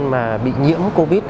mà bị nhiễm covid